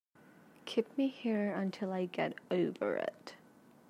Keep me here until I get over it.